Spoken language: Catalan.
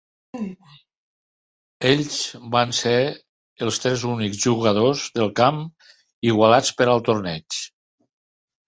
Ells van ser els tres únics jugadors del camp igualats per al torneig.